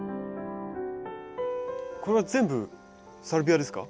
これは全部サルビアですか？